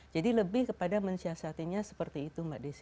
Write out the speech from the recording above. jadi lebih kepada mensiasatinya seperti itu mbak desy